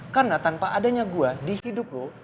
karena tanpa adanya gue di hidup lu